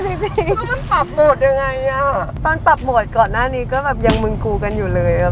จริงว่ามันปรับโหมดยังไงอ่ะตอนปรับโหมดก่อนหน้านี้ก็แบบยังมึงกูกันอยู่เลยอ่ะ